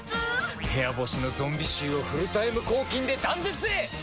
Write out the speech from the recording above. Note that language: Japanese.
部屋干しのゾンビ臭をフルタイム抗菌で断絶へ！